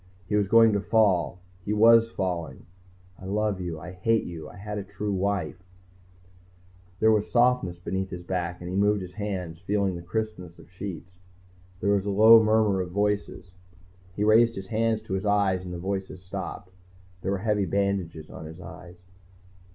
He was going to fall he was falling I love you I hate you I had a true wife ...There was softness beneath his back, and he moved his hands, feeling the crispness of sheets. There was a low murmur of voices. He raised his hands to his eyes and the voices stopped. There were heavy bandages on his eyes.